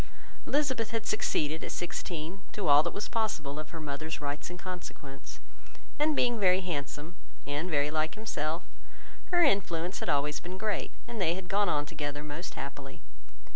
Elizabeth had succeeded, at sixteen, to all that was possible, of her mother's rights and consequence; and being very handsome, and very like himself, her influence had always been great, and they had gone on together most happily.